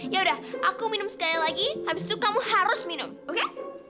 ya udah aku minum sekali lagi habis itu kamu harus minum oke